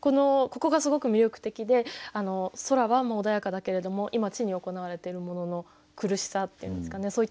ここがすごく魅力的で空は穏やかだけれども今地に行われているものの苦しさっていうんですかね